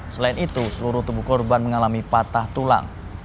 selain itu seluruh tubuh korban mengalami patah tulang